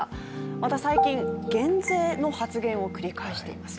また、最近、減税の発言を繰り返しています。